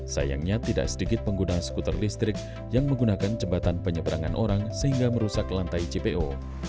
sayangnya tidak sedikit pengguna skuter listrik yang menggunakan jembatan penyeberangan orang sehingga merusak lantai jpo